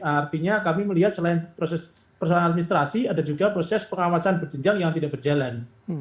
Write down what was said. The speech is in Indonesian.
artinya kami melihat selain proses persoalan administrasi ada juga proses pengawasan berjenjang yang tidak berjalan